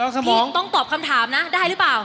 พี่ต้องตอบคำถามนะได้หรือเปล่า